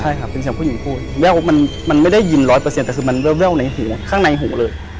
ใช่ครับเป็นเสียงผู้หญิงพูดแววมันไม่ได้ยินร้อยเปอร์เซ็นแต่คือมันแววในหูข้างในหูเลย